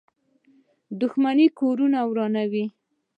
• دښمني کورونه ورانوي.